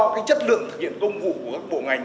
cái chất lượng thực hiện công vụ của các bộ ngành